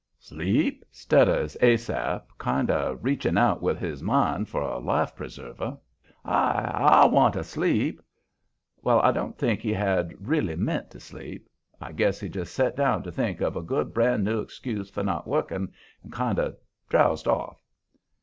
"Sleep?" stutters Asaph, kind of reaching out with his mind for a life preserver. "I I wa'n't asleep." Well, I don't think he had really meant to sleep. I guess he just set down to think of a good brand new excuse for not working, and kind of drowsed off.